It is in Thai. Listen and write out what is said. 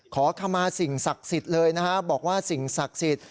ขอขมาสิ่งศักดิ์สิทธิ์เลยนะฮะบอกว่าสิ่งศักดิ์สิทธิ์